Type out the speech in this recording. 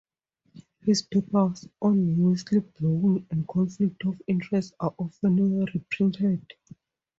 His papers on whistleblowing and conflict of interest are often reprinted.